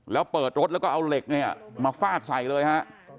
แล้วเปิดรถแล้วก็เอาเหล็กเนี่ยมาฟาดใส่เลยฮะ